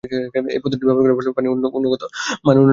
এই পদ্ধতিটি ব্যবহারের ফলে পানির গুণগত মান উন্নয়ন সম্ভব।